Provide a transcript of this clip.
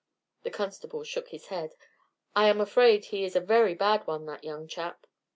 The constable shook his head. "I am afraid he is a very bad one, that young chap."